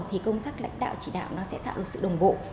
thì công tác lãnh đạo chỉ đạo nó sẽ tạo được sự đồng bộ